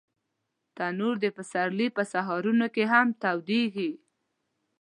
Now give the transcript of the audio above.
تنور د پسرلي په سهارونو کې هم تودېږي